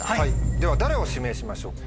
では誰を指名しましょうか？